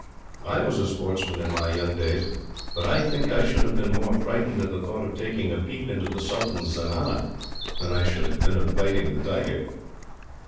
"I was a sportsman, in my young days. But I think I should have been more frightened at the thought of taking a peep into the sultan's zenana, than I should have been of fighting the tiger."